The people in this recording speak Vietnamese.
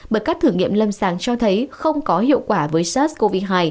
bởi các thử nghiệm lâm sàng cho thấy không có hiệu quả với sars cov hai